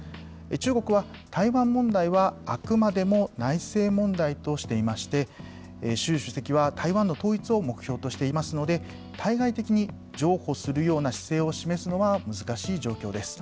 中国は、台湾問題はあくまでも内政問題としていまして、習主席は、台湾の統一を目標としていますので、対外的に譲歩するような姿勢を示すのは、難しい状況です。